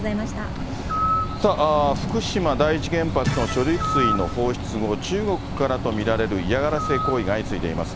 さあ、福島第一原発の処理水の放出後、中国からと見られる嫌がらせ行為が相次いでいます。